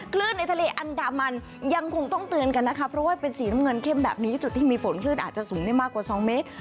ในทะเลอันดามันยังคงต้องเตือนกันนะคะเพราะว่าเป็นสีน้ำเงินเข้มแบบนี้จุดที่มีฝนคลื่นอาจจะสูงได้มากกว่า๒เมตร